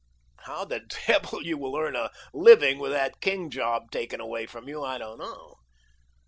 "How the devil you will earn a living with that king job taken away from you I don't know.